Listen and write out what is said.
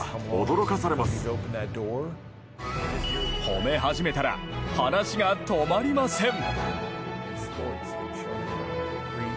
褒め始めたら話が止まりません。